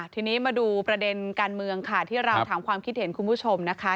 ทีนี้มาดูประเด็นการเมืองค่ะที่เราถามความคิดเห็นคุณผู้ชมนะคะ